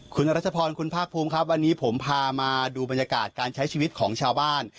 คุณรัชพรคุณภาคภูมิครับวันนี้ผมพามาดูบรรยากาศการใช้ชีวิตของชาวบ้าน